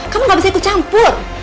kamu gak bisa ikut campur